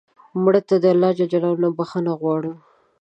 مړه ته الله ج نه بخښنه غواړو